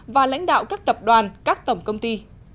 và lãnh đạo các tập đoàn các tổng công ty